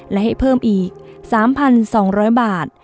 และให้เพิ่มอีก๓๒๐๐บาท